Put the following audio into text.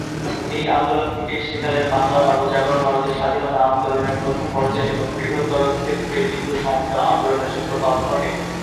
এই আন্দোলন থেকেই সেকালের বাংলার নবজাগরণ, ভারতের স্বাধীনতা আন্দোলনের প্রথম পর্যায় এবং বৃহত্তর ক্ষেত্রে হিন্দু সংস্কার আন্দোলনের সূত্রপাত ঘটে।